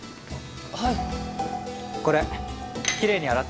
はい。